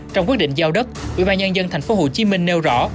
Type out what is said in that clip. trong quyết định giao đất ủy ban nhân dân thành phố hồ chí minh nêu rõ